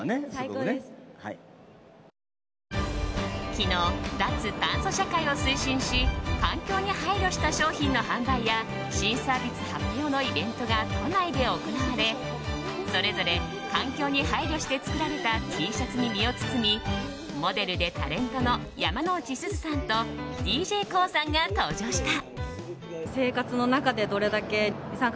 昨日、脱炭素社会を推進し環境に配慮した商品の販売や新サービス発表のイベントが都内で行われそれぞれ環境に配慮して作られたＴシャツに身を包みモデルでタレントの山之内すずさんとＤＪＫＯＯさんが登場した。